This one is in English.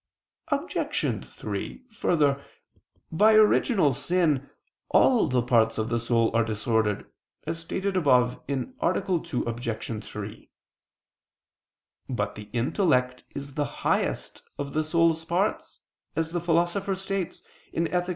Obj. 3: Further, by original sin, all the parts of the soul are disordered, as stated above (A. 2, Obj. 3). But the intellect is the highest of the soul's parts, as the Philosopher states (Ethic.